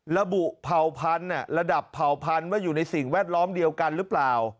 ระบุเผ่าพันธุ์ระดับเผ่าพันธุ์ว่าอยู่ในสิ่งแวดล้อมเดียวกันหรือเปล่า